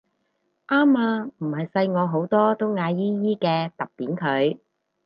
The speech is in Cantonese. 啱啊唔係細我好多都嗌姨姨嘅揼扁佢